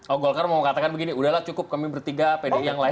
oh golkar mau katakan begini udahlah cukup kami bertiga pdi yang lain